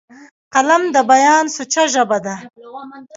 قلم د بیان سوچه ژبه ده